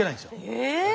え！